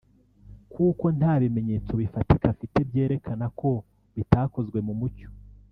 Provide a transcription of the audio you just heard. kuko nta bimenyetso bifatika afite byerekana ko bitakozwe mu mucyo